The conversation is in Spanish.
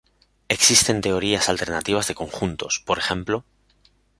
Existen teorías alternativas de conjuntos, p. ej.